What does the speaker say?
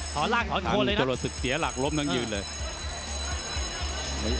โหลดศึกเสียหลักรบทั้งยืนเลย